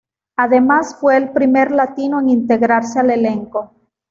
Además fue el primer latino en integrarse al elenco.